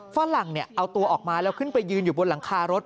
ฝรั่งเอาตัวออกมาแล้วขึ้นไปยืนอยู่บนหลังคารถ